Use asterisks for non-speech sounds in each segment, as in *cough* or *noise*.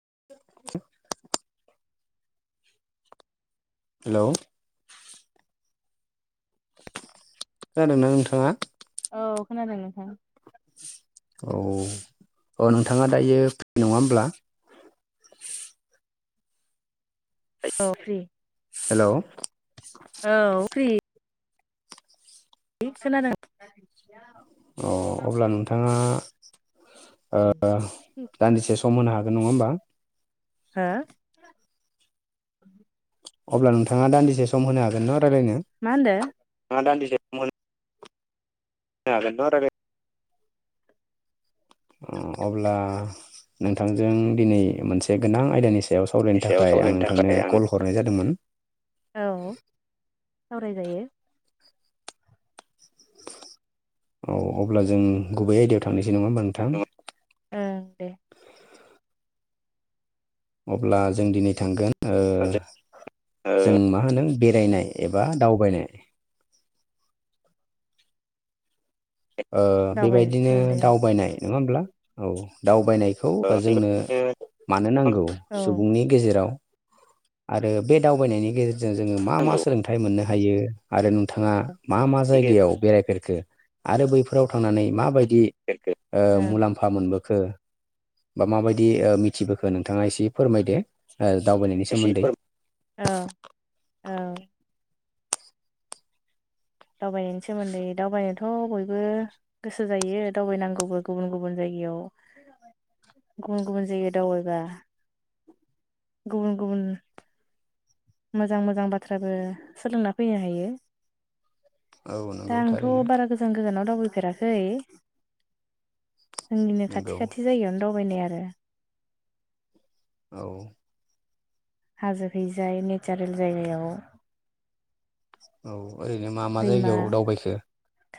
*inaudible* Hello खोनादोंना नोंथां। औ खोनादों नोंथां। औ औ नोंथांङा दायो फ्रि नंङा होमब्ला। *inaudible* औ औ हेलौ फ्रि *unintelligible* अ अब्ला नोंथाङा दान्दिसे सम होनो हागोन नंङा होमबा। हो अब्ला नोंथांङा दान्दिसे सम होनो हागोन न' मा होनदों *unintelligible* अब्ला नोंथांजों दिनै मोनसे गोनां आयदानि सायाव सायाव सावरायनो थाखाय आं सावरायनो नोंथांनो थाखाय आङो कल हरनाय जादोंमोन। सावराय जायो औ अब्ला जों गुबै आयदायाव थांनोसै। जेने'बा मोन नोंथां ओं दे। अब्ला जों दिनै थांगोन जों मा होनो। बेरायनाय एबा दावबायनाय दावबायनायनि बेबायदिनो सोमोन्दै औ। दावबायनाय नंङा होमब्ला औ दाउ बायायनायखौ ओ जोंनो बेबायदिनो मानो नांगौ सुबुंनि गेजेराव आरो बे दावबायनायनि गेजेरजों जोङो मा मा नांगौ सोलोंथाइ मोननो हायो आरो नों। थाङा मा मा बेनि जायगायाव बेरायफेरखो आरो बैफोराव थांनानै माबाय दि गेजेरखौ ओ मुलाम्फा मोनबोखो बा माबायदि ओ मिथिबोखो नोंथाङा इसि फोरमायदो ओ दावबायनायनि एसे सोमोन्दै। फोर औ दावबायनायनि सोमोन्दै दावबायनोथ' बयबो गोसो जायो दावबायनांगौबो गुबुन गुबुन जाय गायाव गुबुन गुबुन जायगायाव दावबायबा। गुबुन गुबुन मोजां मोजां बाथ्राबो सोलोंना फैनो हायो। औ नंगौ दा आंथ' थारैनो बारा गोजान गोजानाव दावबायफेराखै जोंनिनो नंगौ खाथि खाथि जायगायावनो दावबायनाय आरो। औ हाजो खैजाय नेचारेल जायगायाव औ ओरैनो मा मा दैमा जायगायाव दावबायखो?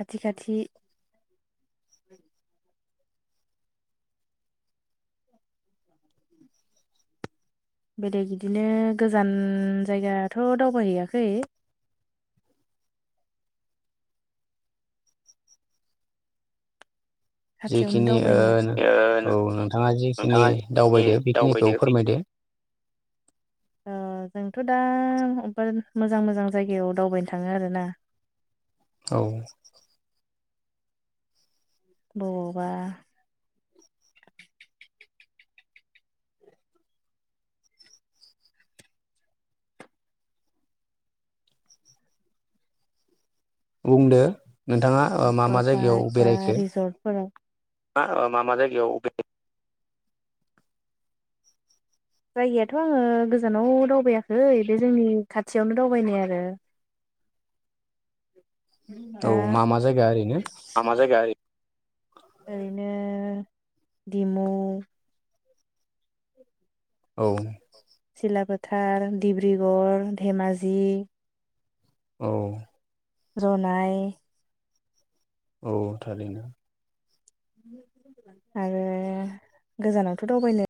खाथि खाथि बेलेग इदिनो गोजान जायगाथ' दावबायहैयाखै। खाथियावनो जिखिनि दावबायनाया ओ नो ओ औ नोंथाङा जिखिनि नोंथाङा जि दावबायदो बेखिनिखौ दावबायदो बे फोरमायदो। *inaudible* ओ जोंथ' दा अबबा मोजां मोजां जायगायाव दावबायनो थाङो आरोना। औ। बबावबा बुंदो नोंथाङा ओ मा मा जायगायाव बेरायखो? ङा ओ मा मा जायगायाव बेराय? जायगायाथ' आङो गोजानाव दावबायाखै बे जोंनि खाथियावनो दावबायनाय आरो औ दा मा मा जायगा ओरैनो मा मा जायगा ओरै- ओरैनो दिमु औ सिलापोथार डिब्रिगर धेमाजि औ जनाइ औ थारैनो आरो गोजानावथ' दावबायनो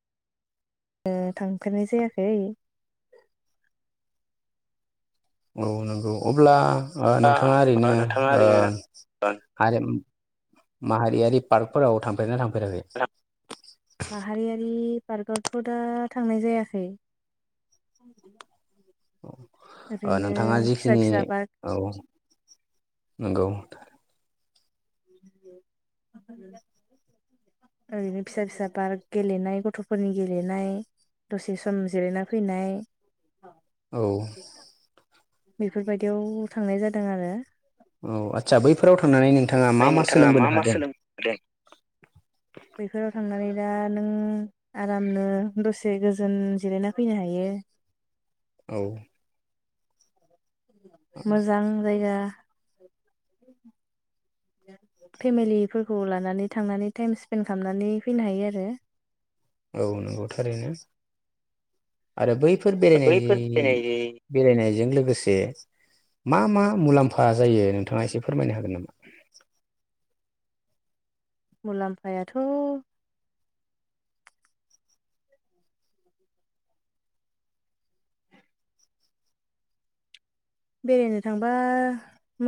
ओ थांफेरनाय जायाखै औ नंगौ अब्ला ओ नोंथाङा ओरैनो दा नोंथाङा ओ ओरैनो हारिम- माहारियारि पार्कफोराव थांफेरदोना थांफेराखै? माहारियारि पार्कआवथ' दा थांनाय जायाखै *unintelligible* अ ओ ओरैनो नोंथाङा फिसा जिखिनि फिसा पार्क औ नंगौ *unintelligible* ओरैनो फिसा फिसा पार्क गेलेनाय गथ'फोरनि गेलेनाय दसे सम जिरायना फैनाय औ बेफोरबायदियाव थांनाय जादों आरो औ आदसा बैफोराव थांनानै नों- नानै नोंथाङा मा मा सोलोंनो मोनदों बैफोराव थांनानै दा नों आरामनो दसे गोजोन जिरायना फैनो हायो औ मोजां जायगा *inaudible* फेमिलिफोरखौ लानानै थांनानै टाइम स्पेन्ड खामनानै फैनो हायो आरो औ नंगौ थारैनो आरो बैफोर बैफोर बेरायनाय बेरायनाय बेरायनायजों लोगोसे मा मा मुलाम्फा जायो नोंथाङा एसे फोरमायनो हागोन नामा मुलाम्फाया थ' बेरायनो थांबा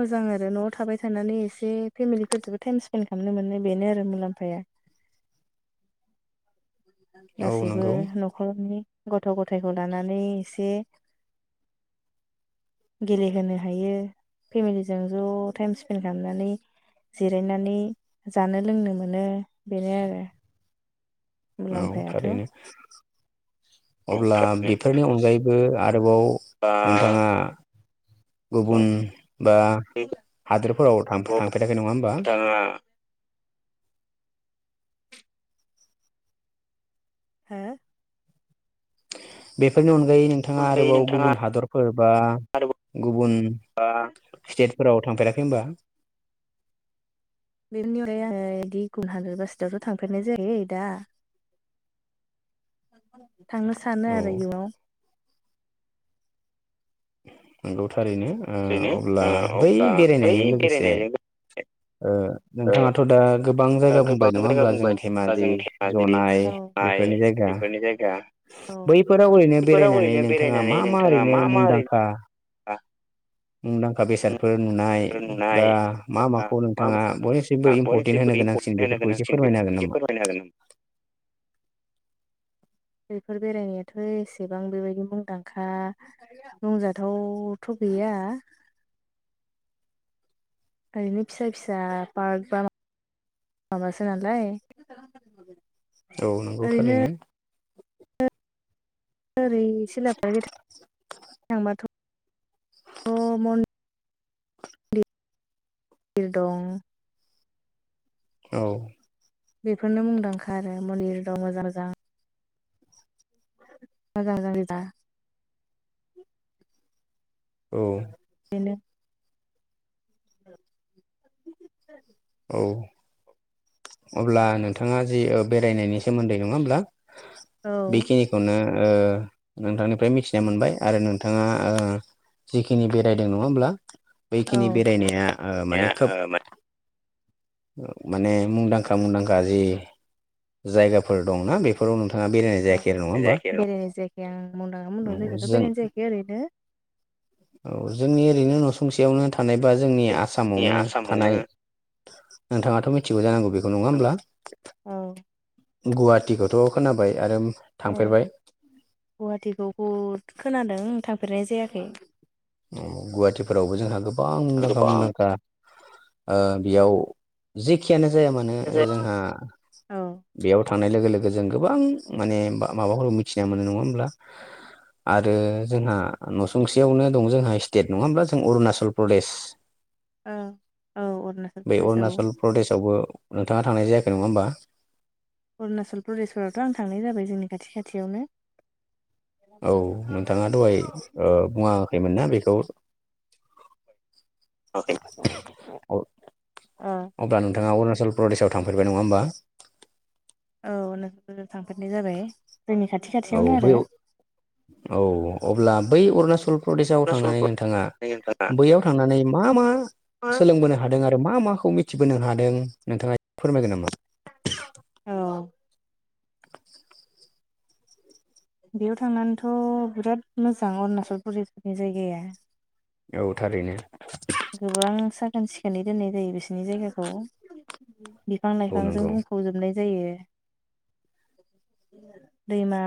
मोजां आरो न'आव थाबाय थानानै एसे फेमिलिफोरजोंबो टाइम स्पेन्ड खालामनो मोनो बेनो आरो मुलाम्फाया *inaudible* औ गासैबो नंगौ न'खरनि गथ' गथायखौ लानानै एसे *inaudible* गेलेहोनो हायो फेमिलिजों ज' टाइम स्पेन्ड खालामनानै जिरायनानै जानो लोंनो मोनो बेनो आरो औ मुलाम्फायाथ' थारैनो अब्ला हो बेफोरनि अनगायैबो आरोबाव नोंथाङा गुबुन बा हादोरफोराव थांफेराखै नङा होमबा अ हा बेफोरनि अनगायै नोंथाङा अनगायै आरोबाव नोंथाङा गुबुन हादरफोर बा गुबुन औ फोराव थांफेराखै होनबा बेनि अनगायै आङो बिदि गुबुन हादार बासटावथ' थांफेरनाय जायाखै दा थांनो सानो औ आरो इउनाव नंगौ थारैनो ओ ओरैनो अब्ला ओ बै अब्ला बै बेरायनायजों लोगोसे बेरायनायजों ओ ओ नोंथाङाथ' दा गोबां जायगा बुंबाय गोबां नङा जायगा होमब्ला जों बुंबाय धेमाजि जों धेमाजि जनाय माइ बेफोरनि जायगा बेफोरनि जायगा औ बैफोराव ओरैनो बेफोराव बेरायनानै ओरैनो नोंथाङा बेरायनानै मा मा नोंथाङा ओरैनो मा मुंदांखा ओरैनो मुंदांखा बेसादफोर नुनाय बा नुनाय मा बा माखौ मा नोंथाङा मा बयनिसिमबो इम्परटेन्ट बयनिख्रुइबो होनो। गोनांसिन इम्परटेन्ट होनो बेफोरखौ एसे गोनांसिन बे फोरमायनो हागोन एसे नामा? फोरमायनो हागोन *inaudible* बेफोर बेरायनायाथ' एसेबां बेबायदि मुंदांखा बुंजाथावथ'। गैया *inaudible* ओरैनो फिसा फिसा पार्क बा माबासो नालाय। औ नंगौ ओरैनो थारैनो। ओरै सिलाफोथार थिं थांबाथ' औ मन मन्दिर दं औ। बेफोरनो मुंदांखा आरो मन्दिर दं मोजां मोजां। मोजां जांदों औ बिनो *inaudible* औ अब्ला नोंथाङा जि बेरायनायनि सोमोन्दै नङा होमब्ला। औ बेखिनिखौनो नोंथांनि ओमफ्राय मिथिना मोनबाय आरो नोंथाङा जिखिनि बेरायदों नङा होमब्ला। औ बैखिनि बेरायनाया माने खोब माने माने मुंदांखा मुंदांखा जि जायगाफोर दंना बेफोराव नोंथां। औ बेरायनाय जायाखै आं मदाङा मोन लोगोथ' जों बेरायनाय जायाखै ओरैनो। औ जोंनि ओरैनो न'सुंसेयावनो थां थानाय बा जोंनि आसामावनो थानाय नोंथाङाथ' मिथि जानांगौ बेखौ नङा नांगौ होमब्ला? औ। गुवाहाटिखौथ' खोनाबाय आरो। औ थांफेरबाय गुवाहाटिखौ बो खोनादों थांफेरनाय जायाखै। गुवाहाटिफोरावबो जोंहा गोबां मुंदांखा गोबां औ मुंदांखा। ओ बेयाव जेखियानो जाया मानो जोंहा औ बेयाव थांनाय लोगो लोगो। जों गोबां माने माबाफोरखौ मिथिना मोनो नङा होमब्ला। आरो जोंहा न'सुंसेयावनो दं जोंहा स्टेट नङाबा जों अरुणनाचल प्रदेश। अरुणाचल बे प्रदेश औ अरुणचल प्रदेशावबो नोंथाङा थांनाय जायाखै नङा होमबा? अरुणाचल प्रदेशफोरावथ' आं थांनाय जाबाय जोंनि खाथि खाथियावनो। औ नोंथाङा दहाय बुङाखैमोन ना बेखौ। औ औ अब्ला नोंथाङा अरु नाचल प्रदेशआव थांफेरबाय नङा होमबा? औ नों *unintelligible* थांफेरनाय जाबाय जोंनि खाथि औ खाथियावनो बै आरो औ अब्ला बै अरुणचल प्रदेशआव थांनानै नोंथाङा नोंथाङा बैयाव थांनानै मा मा सोलोंबोनो हादों आरो। आरो मा माखौ मिथिबोनो हादों नोंथाङा एसे फोरमायगोन नामा? औ। *inaudible* बेयाव थांनानैथ' बिराद मोजां अरुणचल प्रदेशनि जायगाया। औ थारैनो गोबां साखोन-सिखोनै दोननाय जायो बिसिनि जायगाखौ औ बिफां-लाइफांजों नंगौ बुंफ'जोबनाय जायो। दैमा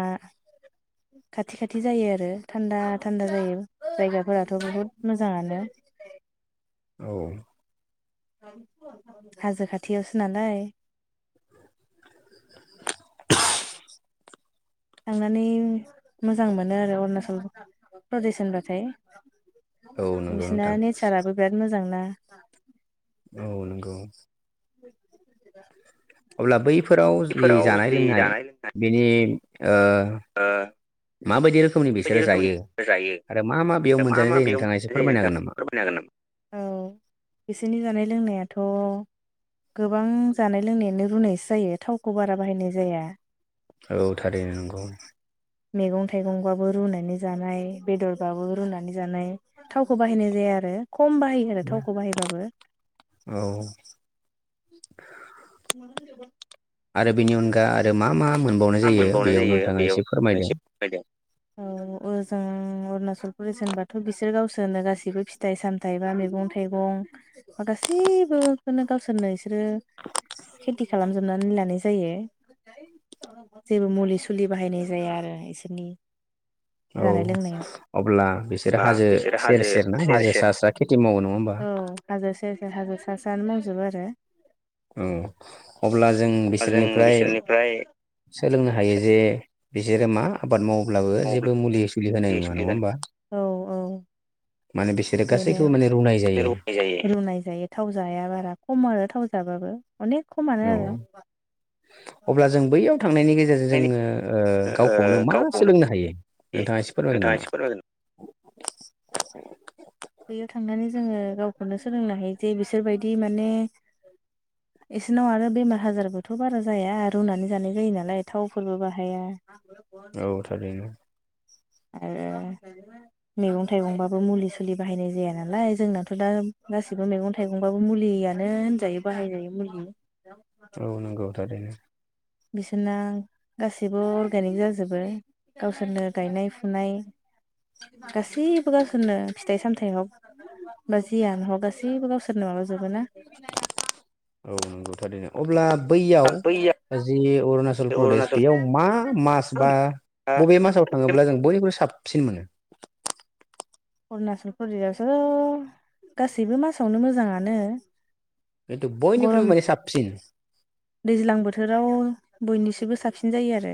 खाथि खाथि जायो आरो थान्दा थान्दा जायो जायगाफोराथ' बहुद मोजाङानो औ हाजो खाथियावसो नालाय *unintelligible* थांनानै मोजां मोनो आरो अरुणाचल प्रदेश होनबाथाय औ नंगौ बिसिना नोंथां नेचाराबो बिराद मोजांना औ नोंगौ। *unintelligible* अब्ला बैफोराव जि बेफोराव जि जानाय-लोंनाय जानाय लोंनाय बिनि ओ माबायदि रोखोमनि बायदि बिसोरो रोखोमनि जायो जायो आरो मा मा बेयाव मोनजानाय मा जायो बेयाव नोंथाङा एसे मोननाय जायो फोरमायनो नोंथाङा हागोन नामा? फोरमायनो हागोन नामा औ बिसोरनि जानाय लोंनायाथ' गोबां जानाय लोंनायानो रुनायसो जायो थावखौ बारा बाहायनाय जाया। औ थारै नंगौ। मैगं-थाइगंबाबो रुनानै जानाय बेदरबाबो रुनानै जानाय थावखौ बाहायनाय जाया आरो ख'म बाहायो आरो थावखौ बाहायबाबो औ आरो बेनि अनगा आरो मा मा मोनबावनाय जायो मोनबावनाय बेयाव जायो नोंथाङा बेयाव फोरमायदो एसे फोरमायदो। अरुणाचल प्रदेश होनबाथ' बिसोर गावसोरो गासिबो फिथाइ-सामथाइ बा मैगं-थाइगं बेखौ गासिखौबो गासैबोखोनो गावसोरनो इसोरो खेथि खालामजोबनानै लानाय जायो। जेबो मुलि सुलि बाहायनाय जाया आरो इसोरनि *inaudible* औ जानाय लोंनायाव अब्ला बिसोरो बा हाजो बिसोरो सेर हाजो सेर ना हाजो सेर सा सा खेथि मावो नङा होमबा औ हाजो ससे हाजो सा सानो मावजोबो आरो औ अब्ला जों जों बिसोरनिफ्राय बिसोरनिफ्राय सोलोंनो हायो जे बिसोरो मा आबाद मावो अब्लाबो जेबो मुलि सुलि होनाय नङा नङा सोलिगोन होमबा औ औ माने बिसोरो गासैखौबो बेनो माने रुनाय जायो रुनाय जायो थाव जाया बारा खम आरो थाव जाबाबो अनेक खमानो आरो और अब्ला जों बैयाव थांनायनि गेजेरजों जोङो ओ गावखौनो मा गावखौनो सोलोंनो हायो। नोंथाङा एसे फोरमायगोन नामा? एसे *inaudible* फोरमायगोन बैयाव थांनानै जोङो गावखौनो सोलोंनो हायो जे बिसोरबायदि माने *inaudible* इसोरनाव आरो बेमार आजारबोथ' बारा जाया रुनानै जानाय जायो नालाय थावफोरबो बाहाया औ थारैनो आरो मैगं थाइगंबाबो मुलि सुलि बाहायनाय जाया नालाय जोंनाथ' दा गासिबो मैगं थाइगंबाबो मुलियानो होनजायो बाहायजायो मुलि औ नंगौ थारैनो बिसोरना गासिबो अर्गेनिक जाजोबो गावसोरनो गायनाय फुनाय गासैबो गावसोरनो फिथाइ सामथायाव होमबा जियानो हक गासैबो गावसोरनो माबा जोबो ना औ नंगौथारनो अब्ला बैयाव बैया जि अरुणाचल प्रदेश अरुणाचल बेयाव मा मास बा बबे मासाव थाङोब्ला जों बयनिख्रुइ साबसिन मोनो अरुणचल प्रदेशआवस' गासैबो मासावनो मोजाङानो खिन्थु बयनिख्रुइबो गरम माने साबसिन दैज्लां बोथोराव बयनिसिबो स साबसिन जायो आरो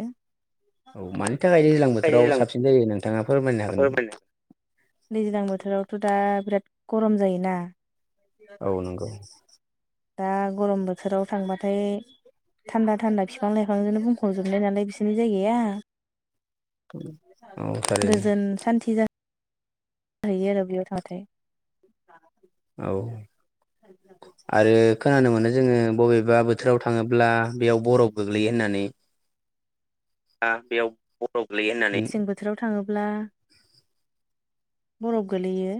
औ मानि थाखाय दैज्लां बोथोराव साबसिन जायो नों दैज्लां बोथोरावथ' दा बिराद गरम जायोना औ नंगौ दा गरम बोथोराव थांबाथाय थान्दा थान्दा बिफां लाइफांजोंनो बुंफबजोबनाय नालाय बिसोरनि जायगाया औ थारैनो गोजोन सान्थि जा आरो बियाव था बाथाय औ आरो खोनानो मोनो जोङो बबेबा बोथोराव थाङोब्ला बेयाव बरफ गोग्लैयो होननानै बेयाव बर' गोलैयो होननानै मेसें बोथोराव थाङोब्ला बरफ गोलैयो